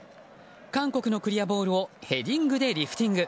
韓国のクリアボールをヘディングでリフティング。